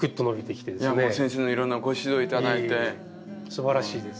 すばらしいです。